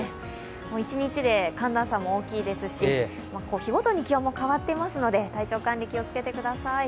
一日で寒暖差も大きいですし日ごとに気温も変わってますので、体調管理、気をつけてください。